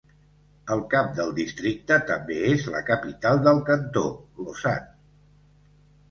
El cap del districte també és la capital del cantó, Lausana.